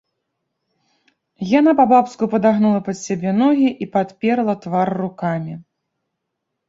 Яна па-бабску падагнула пад сябе ногі і падперла твар рукамі.